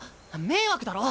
迷惑だろ！